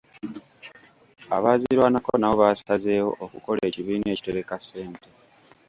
Abaazirwanako nabo baasazeewo okukola ekibiina ekitereka ssente.